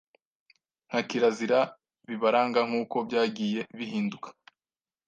na kirazira bibaranga, nk’uko byagiye bihinduka